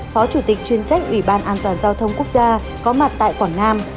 phó chủ tịch chuyên trách ủy ban an toàn giao thông quốc gia có mặt tại quảng nam